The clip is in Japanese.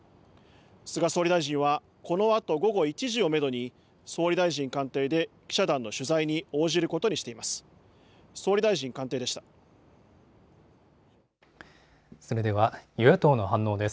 菅総理大臣はこのあと午後１時をめどに総理大臣官邸で記者団の取材に応じることにしています。